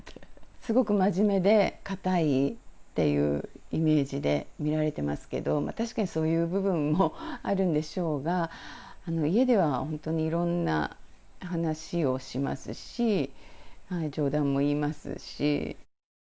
すごく真面目で堅いっていうイメージで見られてますけど、確かにそういう部分もあるんでしょうが、家では本当にいろんな話をしますし、冗談も言いますし。